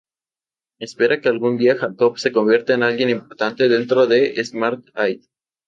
Espera que algún día Jacob se convierta en alguien importante dentro de Smart Aid.